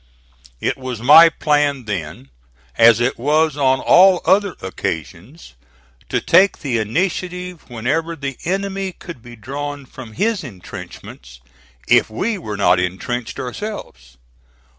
It was my plan then, as it was on all other occasions, to take the initiative whenever the enemy could be drawn from his intrenchments if we were not intrenched ourselves.